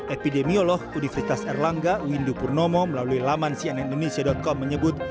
epidemiolog universitas erlangga windu purnomo melalui laman cnnindonesia com menyebut